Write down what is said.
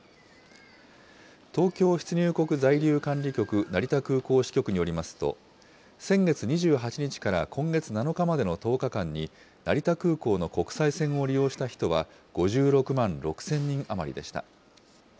東京出入国在留管理局成田空港支局によりますと、先月２８日から今月７日までの１０日間に、成田空港の国際線を利用した人は、５６万６０００人余りでした。